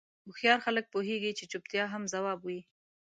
هوښیار خلک پوهېږي چې چوپتیا هم ځواب وي.